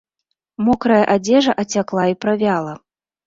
Мокрая адзежа ацякла і правяла.